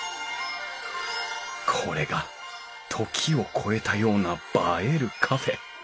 これが「時を超えたような映えるカフェ」